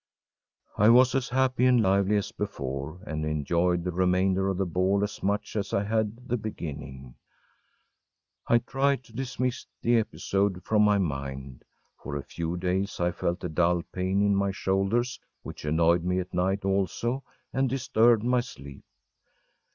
I was as happy and lively as before, and enjoyed the remainder of the ball as much as I had the beginning. I tried to dismiss the episode from my mind. For a few days I felt a dull pain in my shoulders, which annoyed me at night also, and disturbed my sleep.